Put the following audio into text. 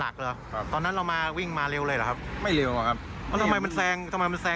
เขาก็เหยียบแซงขึ้นหน้าไป